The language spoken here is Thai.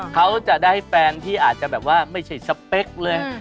เขาจะได้แฟนที่อาจจะแบบว่าไม่ใช่สเปคเลย